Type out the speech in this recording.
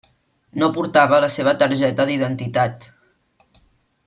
No portava la seva targeta d'identitat.